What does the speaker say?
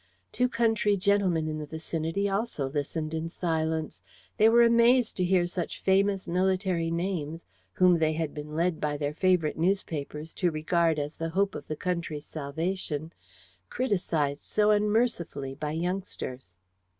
Two country gentlemen in the vicinity also listened in silence. They were amazed to hear such famous military names, whom they had been led by their favourite newspapers to regard as the hope of the country's salvation, criticised so unmercifully by youngsters.